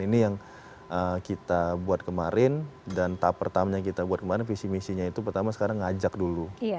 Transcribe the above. ini yang kita buat kemarin dan tahap pertama yang kita buat kemarin visi misinya itu pertama sekarang ngajak dulu